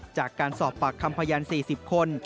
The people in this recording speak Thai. จากการสอบปากคำพยาน๔๐คน